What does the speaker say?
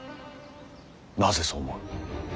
なぜそう思う。